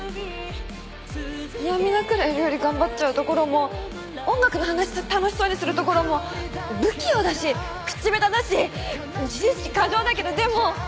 嫌みなくらい料理頑張っちゃうところも音楽の話をして楽しそうにするところも不器用だし口ベタだし自意識過剰だけどでも。